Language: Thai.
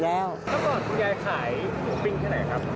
แล้วก่อนคุณยายขายหมูปิ้งที่ไหนครับ